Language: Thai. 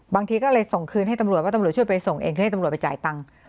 บางทีก็เลยส่งคืนให้ตำรวจว่าตำรวจช่วยไปส่งเองคือให้ตำรวจไปจ่ายตังค์